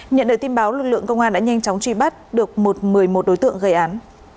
nhận được tin báo lực lượng công an đã nhanh chóng truy bắt được một mươi một đối tượng gây án